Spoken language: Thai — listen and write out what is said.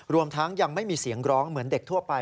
รวมทั้งยังไม่มีเสียงร้องเหมือนเด็กทั่วไป